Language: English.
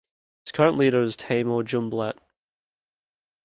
Its current leader is Taymur Jumblatt.